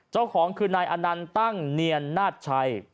เจ้าของคือนายอนันต์ตั้งเนียนนาฏชัย